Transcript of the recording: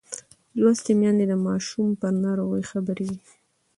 لوستې میندې د ماشوم پر ناروغۍ خبر وي.